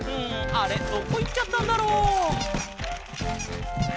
あれどこいっちゃったんだろう？